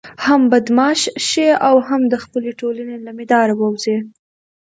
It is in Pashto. هم بدماش شي او هم د خپلې ټولنې له مدار ووزي.